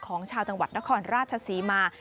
ของชาวจังหวัดนครราชศรีมา